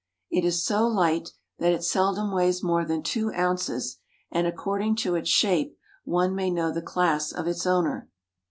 It is so light that it seldom weighs more than two ounces, and according to its shape one may know the class of its owner.